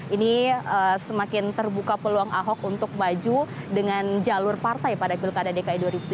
ini semakin terbuka peluang ahok untuk maju dengan jalur partai pada pilkada dki